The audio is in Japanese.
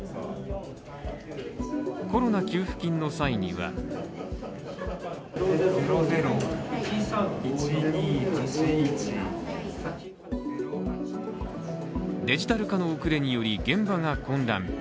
コロナ給付金の際にはデジタル化の遅れにより現場が混乱。